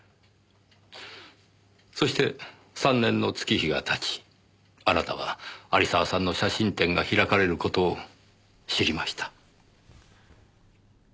そして３年の月日が経ちあなたは有沢さんの写真展が開かれる事を知りました。